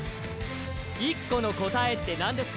１個の答えって何ですか？